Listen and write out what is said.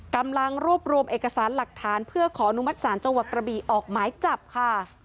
กำลังรวบรวมเอกสารหลักฐานเพื่อขออนุมัติศาลจังหวัดกระบีออกหมายจับค่ะ